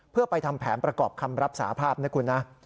เพื่อไปทำแผนประกอบคำรับสาภาพนะคุณนะ